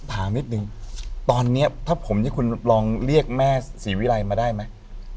ถามนิดนึงตอนนี้ถ้าผมนี่คุณลองเรียกแม่ศรีวิรัยมาได้ไหม